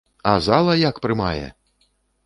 А зала як прымае!